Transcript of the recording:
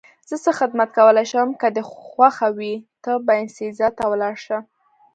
زه څه خدمت کولای شم؟ که دې خوښه وي ته باینسیزا ته ولاړ شه.